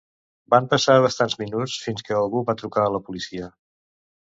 Van passar bastants minuts fins que algú va trucar a la policia.